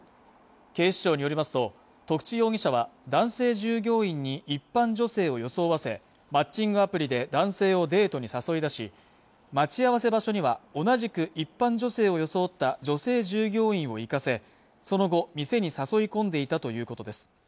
警視庁によりますと得地容疑者は男性従業員に一般女性を装わせマッチングアプリで男性をデートに誘い出し待ち合わせ場所には同じく一般女性を装った女性従業員を行かせその後店に誘い込んでいたということです